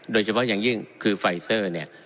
โดยเฉพาะอย่างยิ่งคือไฟเซอร์เนี่ย